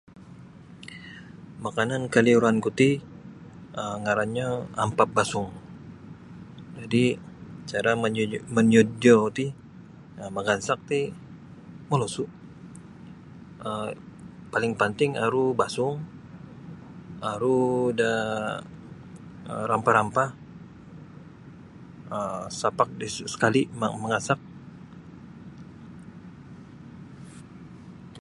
Makanan kaliuranku ti um ngarannyo ampap basung jadi' cara monyo monyodio ti maggansak ti molosu' um paling panting aru basung aru da rampah-rampah um sapak dis sakali mangansak.